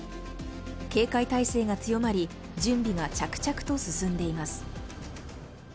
警戒態勢が強まり、準備が着々と進んでいます。